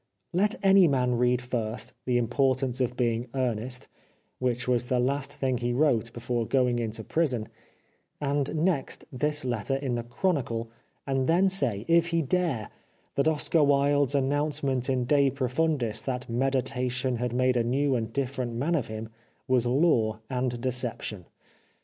Let any man read first " The Importance of being Earnest," which was the last thing he wrote before going into prison, and next this letter in the Chronicle^ and then say, if he dare, that Oscar Wilde's an 410 The Life of Oscar Wilde nouncement in " De Profundis," that meditation had made a new and different man of him, was lure and deception.